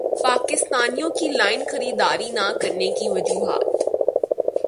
پاکستانیوں کی لائن خریداری نہ کرنے کی وجوہات